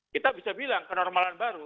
kita bisa bilang kenormalan baru